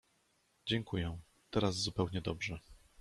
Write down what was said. — Dziękuję, teraz zupełnie dobrze.